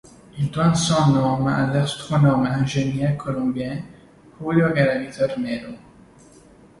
Il doit son nom à l'astronome et ingénieur colombien Julio Garavito Armero.